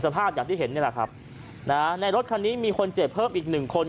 ภาพอย่างที่เห็นนี่แหละครับนะฮะในรถคันนี้มีคนเจ็บเพิ่มอีกหนึ่งคน